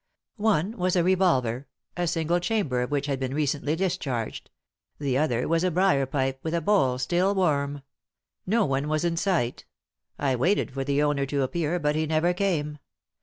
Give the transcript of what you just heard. One was a revolver, a single chamber of which had been recently discharged ; the other was a briar pipe, with the bowl still warm. No one was in sight I waited for the owner to appear, but he never came.